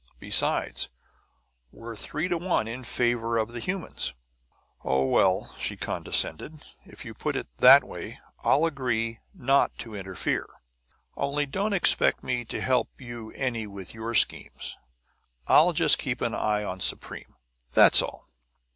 Besides, we're three to one in favor of the humans!" "Oh, well," she condescended, "if you put it that way I'll agree not to interfere. Only, don't expect me to help you any with your schemes; I'll just keep an eye on Supreme, that's all."